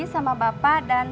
ya itu dong